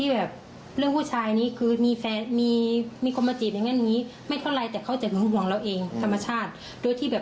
เมื่อเช้าก็ยกมือไหว้ขอโทษอะค่ะ